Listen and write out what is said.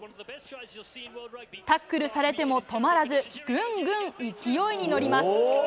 タックルされても止まらず、ぐんぐん勢いに乗ります。